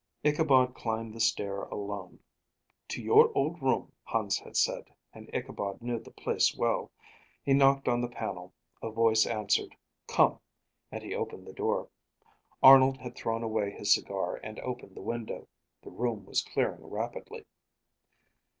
Ichabod climbed the stair alone. "To your old room," Hans had said; and Ichabod knew the place well. He knocked on the panel, a voice answered: "Come," and he opened the door. Arnold had thrown away his cigar and opened the window. The room was clearing rapidly.